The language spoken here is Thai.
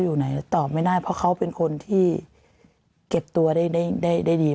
อยู่ไหนตอบไม่ได้เพราะเขาเป็นคนที่เก็บตัวได้ได้ดี